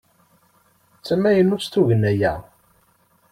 D tamaynut tugna-a?